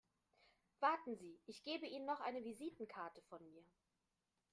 Warten Sie, ich gebe Ihnen noch eine Visitenkarte von mir.